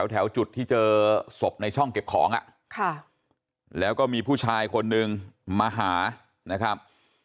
แถวจุดที่เจอศพในช่องเก็บของแล้วก็มีผู้ชายคนนึงมาหานะครับ